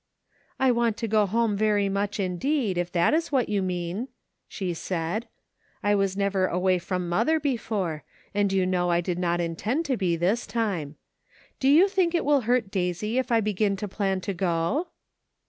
"I want to go home very much indeed, if that is what you mean," she said, " I was never away from mother before, and you know I did not intend to be, this time. Do you think it will hurt Daisy if I begin to plan to go